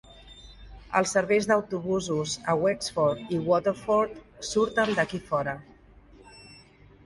Els serveis d"autobusos a Wexford i Waterford surten d"aquí fora.